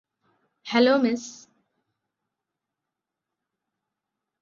hello miss